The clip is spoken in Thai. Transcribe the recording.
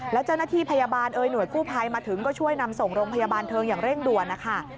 แล้วเจ้าหน้าที่พยาบาลเอ่ยหน่วยกู้ภัยมาถึงก็ช่วยนำส่งโรงพยาบาลเทิงอย่างเร่งด่วนนะคะ